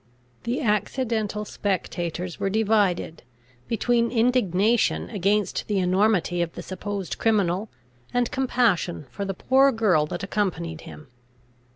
The accidental spectators were divided, between indignation against the enormity of the supposed criminal, and compassion for the poor girl that accompanied him.